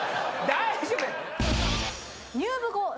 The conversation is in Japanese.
大丈夫や！